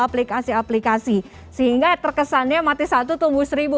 aplikasi aplikasi sehingga terkesannya mati satu tumbuh seribu